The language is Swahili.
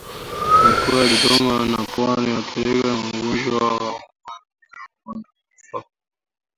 Mikoa ya Dodoma na Pwani huathirika na ugonjwa wa homa ya bonde la ufa